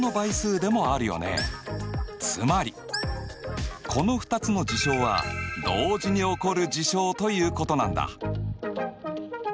つまりこの２つの事象は同時に起こる事象ということなんだ。